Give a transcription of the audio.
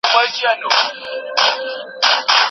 که زده کړه سوې وای نو ناپوهي به نه واي.